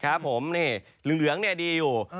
ครับผมนี่หลืองดีอยู่